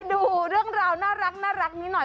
ดูเรื่องราวน่ารักนี้หน่อย